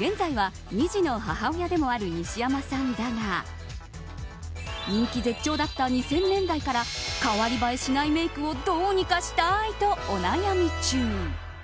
現在は２児の母親でもある西山さんだが人気絶頂だった２０００年代から代わりばえしないメイクをどうにかしたいとお悩み中。